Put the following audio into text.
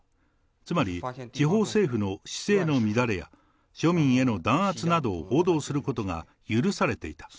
つまり地方政府の市政の乱れや、庶民への弾圧などを報道することが許されていた。